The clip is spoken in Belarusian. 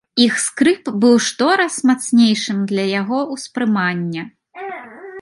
Іх скрып быў штораз мацнейшым для яго ўспрымання.